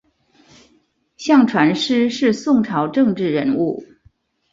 向传师是宋朝政治人物。